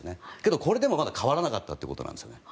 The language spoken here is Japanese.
でもこれでも変わらなかったということなんです。